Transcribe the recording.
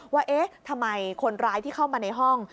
ว่าเอ๊ะทำไมคนร้ายที่เข้ามาในห้อง